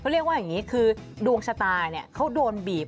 เขาเรียกว่าอย่างนี้คือดวงชะตาเขาโดนบีบ